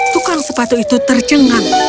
tukang sepatu itu tercengam